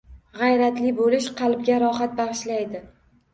G‘ayratli bo‘lish qalbga rohat bag‘ishlaydi.